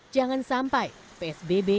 jangan sampai psbb